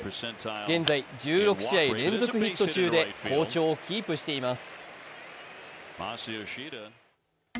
現在、１６試合連続ヒット中で好調をキープしています。